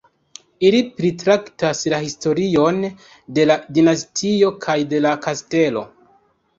Ili pritraktas la historion de la dinastio kaj de la kastelo.